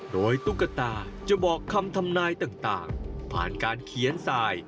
โดยตุ๊กตาจะบอกคำทำนายต่างผ่านการเขียนสาย